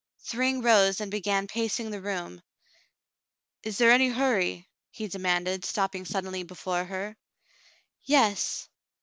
Thryng rose and began pacing the room. "Is there any hurry .?" he demanded, stopping suddenly before her. "Yes."